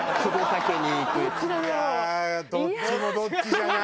いやあどっちもどっちじゃない？